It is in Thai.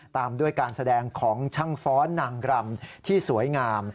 ตามด้วยการแสดงของช่างฟ้อนนางรำที่สวยงาม